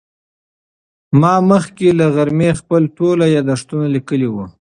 ما مخکې له غرمې خپل ټول یادښتونه لیکلي وو.